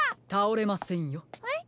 えっ？